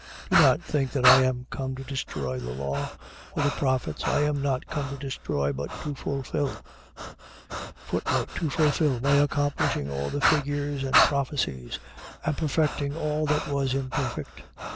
5:17. Do not think that I am come to destroy the law, or the prophets. I am not come to destroy, but to fulfil. To fulfil. . .By accomplishing all the figures and prophecies; and perfecting all that was imperfect.